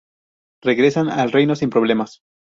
Regresan al Reino sin problemas.